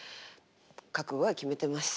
覚悟は決めてます。